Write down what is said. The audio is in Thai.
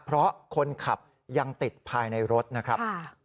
เพราะคนขับยังติดภายในรถนะครับ